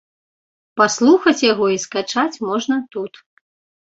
Паслухаць яго і скачаць можна тут.